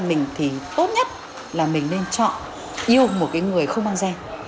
mình thì tốt nhất là mình nên chọn yêu một cái người không mang gen